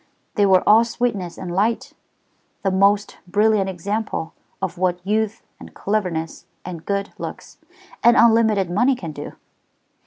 They were all sweetness and light; the most brilliant example of what youth, and cleverness, and good looks, and unlimited money can do.